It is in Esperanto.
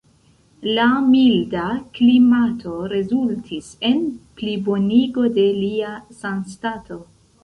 La milda klimato rezultis en plibonigo de lia sanstato.